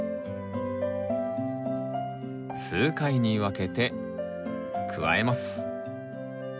数回に分けて加えます。